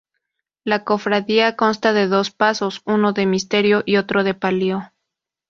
La Cofradía consta de dos pasos, uno de misterio y otro de palio.